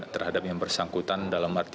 terhadap yang bersangkutan dalam arti